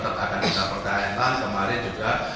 tetap akan mendapatkan headline kemarin juga